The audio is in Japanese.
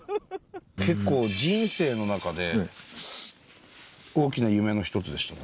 結構人生の中で大きな夢の一つでしたね。